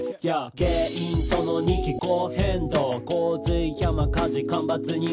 「原因その２気候変動」「洪水山火事干ばつに猛暑」